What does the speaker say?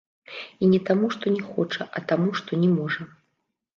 І не таму, што не хоча, а таму, што не можа.